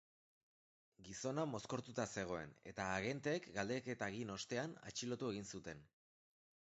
Gizona mozkortuta zegoen, eta agenteek galdeketa egin ostean, atxilotu egin zuten.